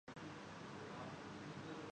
بڑھا دیے ہیں